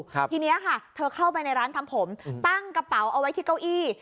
ทีเนี้ยค่ะเธอเข้าไปในร้านทำผมตั้งกระเป๋าเอาไว้ที่เก้าอี้